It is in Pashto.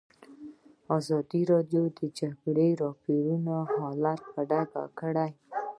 ازادي راډیو د د جګړې راپورونه حالت په ډاګه کړی.